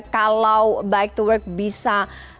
kalau bike to work bisa